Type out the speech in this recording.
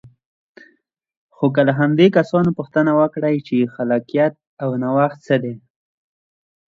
خو که له همدې کسانو پوښتنه وکړئ چې خلاقیت او نوښت څه دی.